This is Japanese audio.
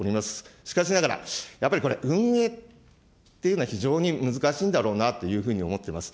しかしながら、やっぱりこれ、運営っていうのは、非常に難しいんだろうなっていうふうに思っています。